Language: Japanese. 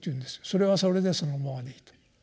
それはそれでそのままでいいと。